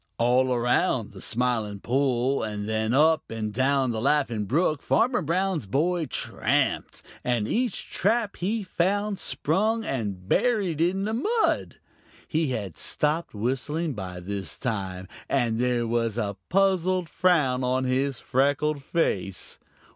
All around the Smiling Pool and then up and down the Laughing Brook Farmer Brown's boy tramped, and each trap he found sprung and buried in the mud. He had stopped whistling by this time, and there was a puzzled frown on his freckled face.